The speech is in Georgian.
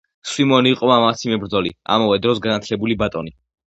სვიმონი იყო მამაცი მებრᲫოლი, ამავე დროს განაᲗლებული ბატონი.